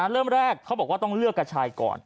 เริ่มแรกต้องเลือกกระชายก่อน